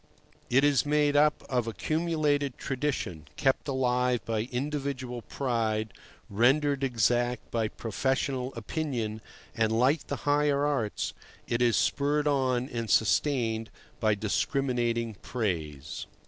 It is made up of accumulated tradition, kept alive by individual pride, rendered exact by professional opinion, and, like the higher arts, it spurred on and sustained by discriminating praise.